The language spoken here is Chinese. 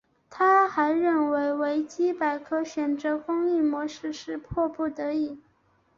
他还认为维基百科选择公益模式是迫不得已。